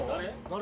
誰？